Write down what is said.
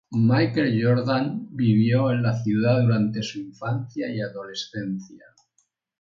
Michael Jordan vivió en la ciudad durante su infancia y adolescencia.